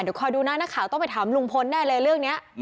เดี๋ยวคอยดูนะนักข่าวต้องไปถามลุงพลแน่เลยเรื่องนี้